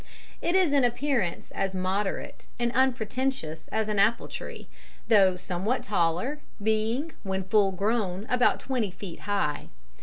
It is in appearance as moderate and unpretentious as an apple tree, though somewhat taller, being, when full grown, about twenty feet high.